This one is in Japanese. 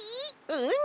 うん！